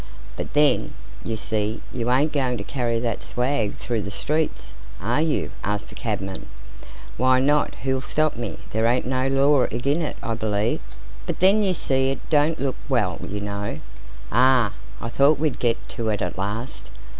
"But then, you see, you ain't going to carry that swag through the streets, are you?" asked the cabman. "Why not? Who'll stop me! There ain't no law agin it, I b'lieve?" "But then, you see, it don't look well, you know." "Ah! I thought we'd get to it at last."